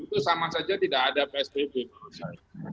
itu sama saja tidak ada psbb menurut saya